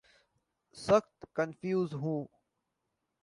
سخت کنفیوزڈ ہیں۔